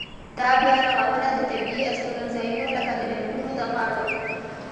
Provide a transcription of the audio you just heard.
دا بیا رغونه د طبیعي استوګنځایونو لکه د ډنډونو د غاړو.